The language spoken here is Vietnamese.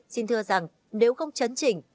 xin thưa rằng nếu không chấn chỉnh